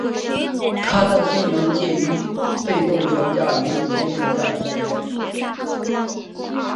它的性能介于被动悬架与主动悬架之间。